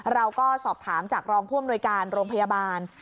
เราก็สอบถามจากรองผู้อำนวยการโรงพยาบาล